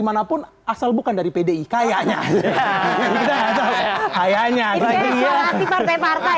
manapun asal bukan dari pdi kayaknya kayaknya ini jalan jalan kek varah pbi ada kalau bianta silos appeminya